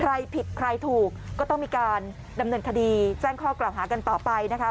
ใครผิดใครถูกก็ต้องมีการดำเนินคดีแจ้งข้อกล่าวหากันต่อไปนะคะ